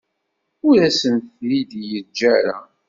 Ur asen-t-id-yeǧǧa ara.